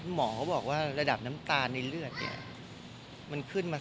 หมอเขาบอกว่าระดับน้ำตาลในเลือดเนี่ยมันขึ้นมา